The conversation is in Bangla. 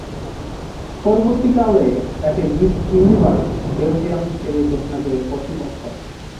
পরবর্তীকালে তাকে 'মিস ইউনিভার্স বেলজিয়াম' হিসেবে ঘোষণা করে কর্তৃপক্ষ।